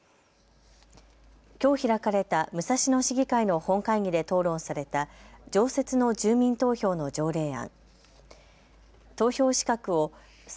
きょう開かれた武蔵野市議会の本会議で討論された常設の住民投票の条例案。